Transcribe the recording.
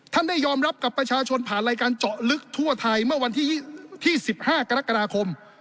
ได้ยอมรับกับประชาชนผ่านรายการเจาะลึกทั่วไทยเมื่อวันที่๑๕กรกฎาคม